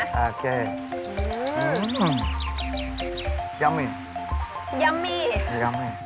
โอเคอืมยัมมี่ยัมมี่ยัมมี่